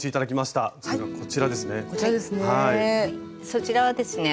そちらはですね